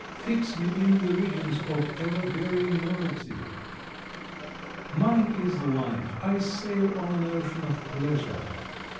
Fix me in the regions of ever varying novelty! Mine is life. I sail on an ocean of pleasure.